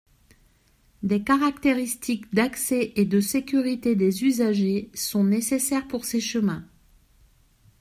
Des caractéristiques d’accès et de sécurité des usagers sont nécessaires pour ces chemins.